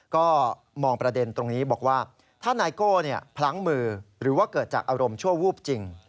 ก็มองประเด็นตรงนี้บอกว่าถ้านายโก้พลั้งมือหรือว่าเกิดจากอารมณ์ชั่ววูบจริง